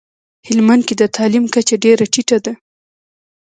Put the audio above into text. هلمندکي دتعلیم کچه ډیره ټیټه ده